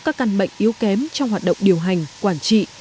các căn bệnh yếu kém trong hoạt động điều hành quản trị